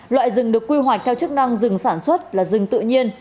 loại rừng được quy hoạch theo chức năng rừng sản xuất là rừng tự nhiên